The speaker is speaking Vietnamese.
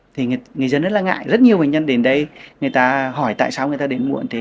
thì người dân rất là ngại rất nhiều bệnh nhân đến đây người ta hỏi tại sao người ta đến muộn thì